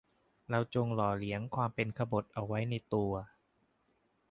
เราจงหล่อเลี้ยงความเป็นขบถเอาไว้ในตัว